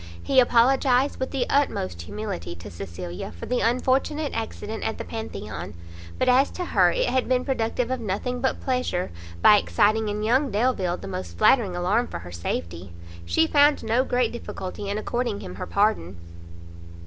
He apologized with the utmost humility to Cecilia for the unfortunate accident at the Pantheon; but as to her it had been productive of nothing but pleasure, by exciting in young Delvile the most flattering alarm for her safety, she found no great difficulty in according him her pardon.